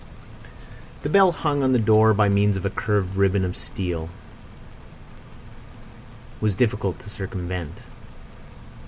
The bell, hung on the door by means of a curved ribbon of steel, was difficult to circumvent.